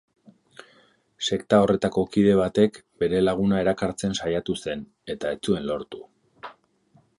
Sekta horretako kide batek bere laguna erakartzen saiatu zen eta ez zuen lortu.